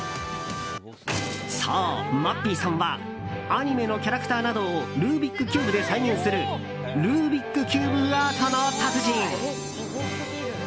そう、まっぴーさんはアニメのキャラクターなどをルービックキューブで再現するルービックキューブアートの達人。